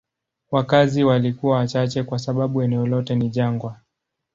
Wakazi walikuwa wachache kwa sababu eneo lote ni jangwa.